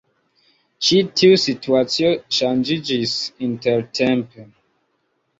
Ĉi tiu situacio ŝanĝiĝis intertempe.